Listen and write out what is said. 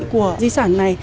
của di sản này